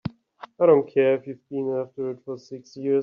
I don't care if you've been after it for six years!